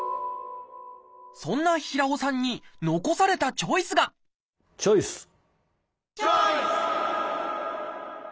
そんな平尾さんに残されたチョイスがチョイス！